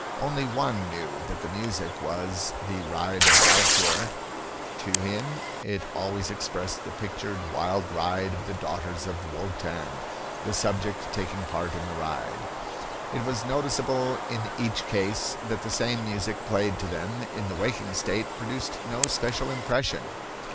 Only one knew that the music was the "Ride of Walkure." "To him it always expressed the pictured wild ride of the daughters of Wotan, the subject taking part in the ride." It was noticeable in each case that the same music played to them in the waking state produced no special impression.